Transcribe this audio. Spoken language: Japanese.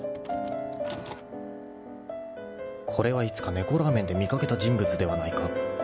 ［これはいつか猫ラーメンで見掛けた人物ではないか］